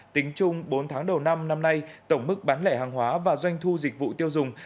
tính chung bốn tháng đầu năm năm nay tổng mức bán lẻ hàng hóa và doanh thu dịch vụ tiêu dùng